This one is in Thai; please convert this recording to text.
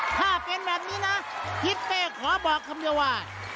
ถ้าเป็นแบบนี้นะทิศเป้ขอบอกคำเดียวว่า